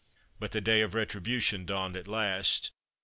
But the day of retribution dawned at last.